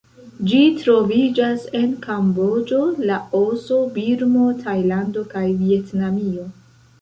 Ĝi troviĝas en Kamboĝo, Laoso, Birmo, Tajlando, kaj Vjetnamio.